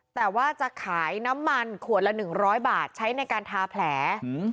แต่ว่าจะขายน้ำมันขวดละ๑๐๐บาทใช้ในการทาแผล